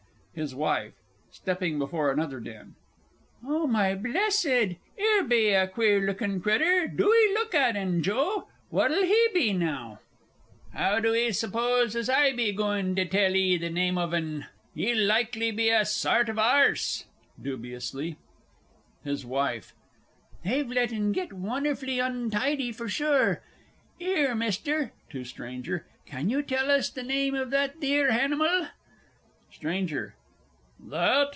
HIS WIFE (stopping before another den). Oh, my blessed! 'Ere be a queer lookin' critter, do 'ee look at 'en, Joe. What'll he be now? JOE. How do 'ee suppose as I be gooin' to tell 'ee the name of 'en? He'll likely be a sart of a 'arse. [Dubiously. HIS WIFE. They've a let' en git wunnerful ontidy fur sure. 'Ere, Mister (to STRANGER) can you tell us the name of that theer hanimal? STRANGER.